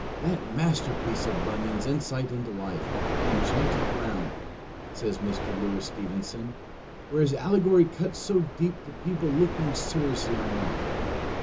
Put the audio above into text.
"That masterpiece of Bunyan's insight into life, the Enchanted Ground," says Mr. Louis Stevenson, "where his allegory cuts so deep to people looking seriously on life."